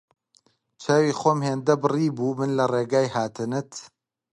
چاوی خۆم هێندە بڕیبوو من لە ڕێگای هاتنت